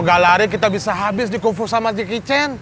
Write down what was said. kalo gak lari kita bisa habis dikumpul sama jackie chan